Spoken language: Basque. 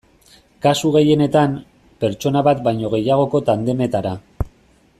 Kasu gehienetan, pertsona bat baino gehiagoko tandemetara.